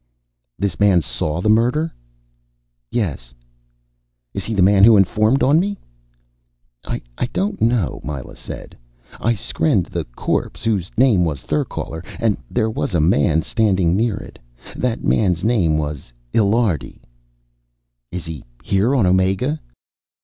"This man saw the murder?" "Yes." "Is he the man who informed on me?" "I don't know," Myla said. "I skrenned the corpse, whose name was Therkaler, and there was a man standing near it. That man's name was Illiardi." "Is he here on Omega?"